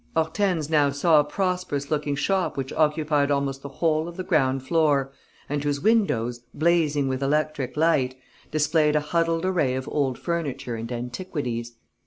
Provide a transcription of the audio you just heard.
Hortense now saw a prosperous looking shop which occupied almost the whole of the ground floor and whose windows, blazing with electric light, displayed a huddled array of old furniture and antiquities.